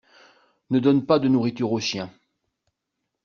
Ne donne pas de nourriture aux chiens.